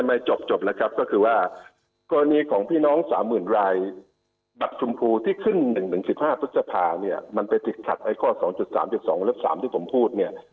ไม่จบแล้วครับก็คือว่ากรณีของพี่น้อง๓๐๐๐รายบัตรชมพูที่ขึ้น๑๑๑๕พฤษภาเนี่ยมันไปติดขัดไอ้ข้อ๒๓๒เล็บ๓ที่ผมพูดเนี่ย